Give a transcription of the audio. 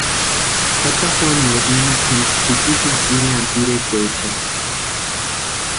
Tata Juanueri nimakwa jempa tsitisïnti pireani pirekwaechani.